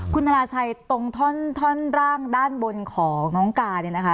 คุณธนาชัยตรงท่อนร่างด้านบนของน้องกาเนี่ยนะคะ